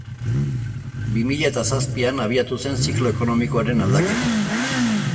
Bi mila eta zazpian abiatu zen ziklo ekonomikoaren aldaketa.